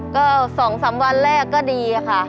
ก็๒๓วันแรกก็ดีค่ะ